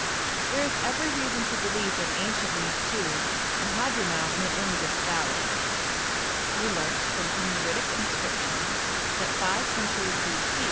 There is every reason to believe that anciently, too, the Hadhramout meant only this valley; we learnt from Himyaritic inscriptions that five centuries b.c.